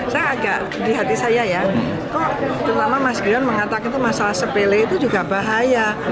saya agak di hati saya ya kok terutama mas grion mengatakan masalah sepele itu juga bahaya